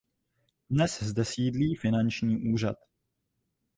Dnes zde sídlí Finanční úřad.